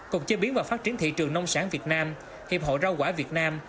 cục chế biến và phát triển thị trường nông sản việt nam hiệp hội rau quả việt nam